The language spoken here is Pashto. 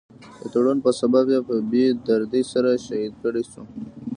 د تړون پۀ سبب پۀ بي دردۍ سره شهيد کړے شو ۔